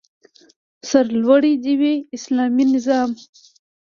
سرلوړی دې وي اسلامي نظام